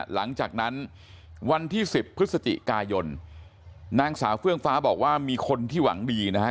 หลังจากนั้นวันที่๑๐พฤศจิกายนนางสาวเฟื่องฟ้าบอกว่ามีคนที่หวังดีนะฮะ